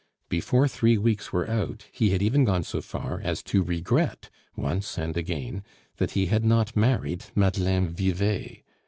Before three weeks were out he had even gone so far as to regret, once and again, that he had not married Madeleine Vivet!